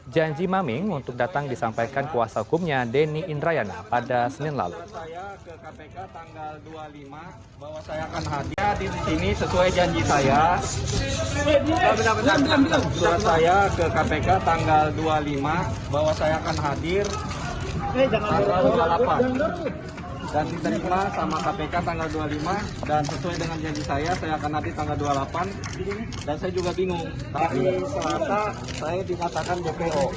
janji maming untuk datang disampaikan kuasa hukumnya deni indrayana pada senin lalu